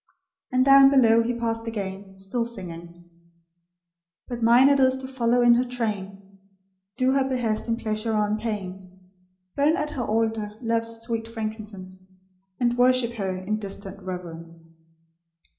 And down below he passed again, still singing: "But mine it is to follow in her train; Do her behests in pleasure or in pain; Burn at her altar love's sweet frankincense, And worship her in distant reverence."